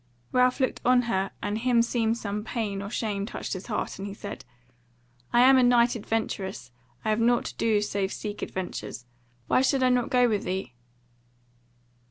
Ralph looked on her and himseemed some pain or shame touched his heart, and he said: "I am a knight adventurous; I have nought to do save to seek adventures. Why should I not go with thee?"